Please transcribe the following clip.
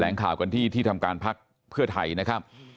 ข่าวกันที่ที่ทำการพักเพื่อไทยนะครับ